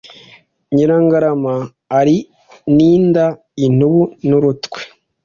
Nyiramagarama ari n'inda-Intubu n'urutwe.